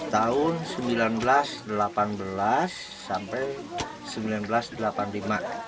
tahun seribu sembilan ratus delapan belas sampai seribu sembilan ratus delapan puluh lima